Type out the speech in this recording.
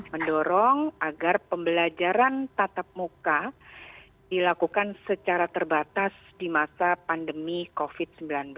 mendorong agar pembelajaran tatap muka dilakukan secara terbatas di masa pandemi covid sembilan belas